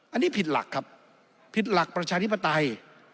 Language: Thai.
อันนี้ผิดหลักครับผิดหลักประชาธิปไตย